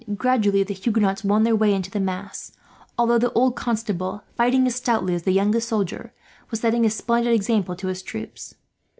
Gradually the Huguenots won their way into the mass; although the old Constable, fighting as stoutly as the youngest soldier, was setting a splendid example to his troops.